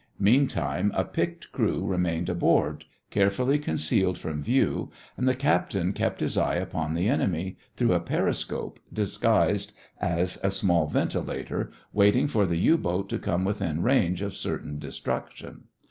Meantime, a picked crew remained aboard, carefully concealed from view, and the captain kept his eye upon the enemy through a periscope disguised as a small ventilator, waiting for the U boat to come within range of certain destruction.